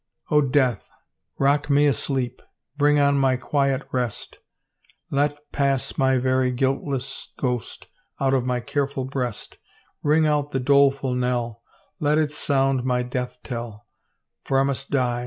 *' Oh, Death I rock tne asleep. Bring on my quiet rest. Let pass my very guiltless ghost Out of my careful breast King out the doleful knell, Let its sound my death tell,— » For I must die.